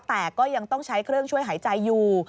แต่ก็ยังต้องใช้เครื่องช่วยหายใจอยู่